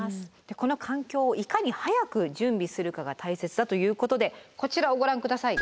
この環境をいかに早く準備するかが大切だということでこちらをご覧下さい。